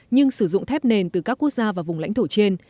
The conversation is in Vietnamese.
nhưng sử dụng thép nền từ các quốc gia và vùng lãnh thổ trên